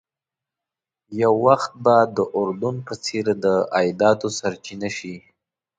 یو وخت به د اردن په څېر د عایداتو سرچینه شي.